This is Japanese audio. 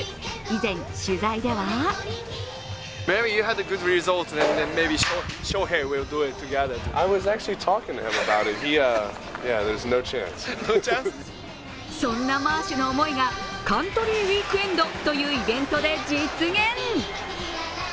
以前、取材ではそんなマーシュの思いがカントリーウィークエンドというイベントで実現。